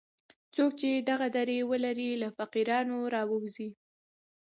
څوک چې دغه درې ولري له فقیرانو راووځي.